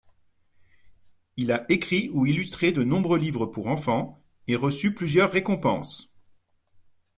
Il a écrit ou illustré de nombreux livres pour enfant, et reçu plusieurs récompenses.